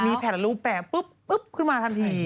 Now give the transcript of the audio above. มีแผ่นรูแปะปุ๊บขึ้นมาทันที